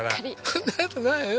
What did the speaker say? そんな事ないよ。